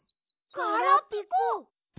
ガラピコ！